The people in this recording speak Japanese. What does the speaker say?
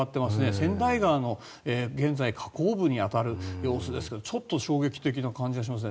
川内川の現在、河口部に当たる様子ですがちょっと衝撃的な感じがしますね。